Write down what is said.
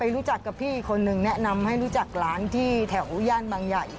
รู้จักกับพี่อีกคนนึงแนะนำให้รู้จักร้านที่แถวย่านบางใหญ่